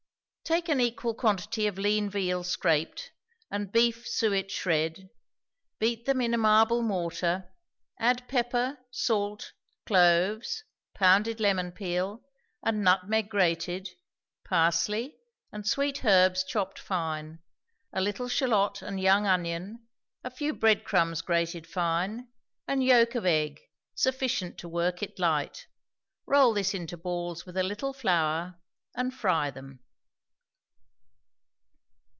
Take an equal quantity of lean veal scraped, and beef suet shred, beat them in a marble mortar, add pepper, salt, cloves, pounded lemon peel, and nutmeg grated, parsley, and sweet herbs chopped fine, a little shallot and young onion, a few breadcrumbs grated fine, and yolk of egg, sufficient to work it light; roll this into balls with a little flour, and fry them.